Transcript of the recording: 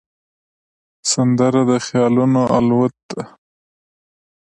سندره د خیالونو الوت ده